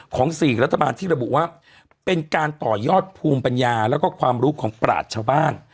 ๔รัฐบาลที่ระบุว่าเป็นการต่อยอดภูมิปัญญาแล้วก็ความรู้ของปราชชาวบ้าน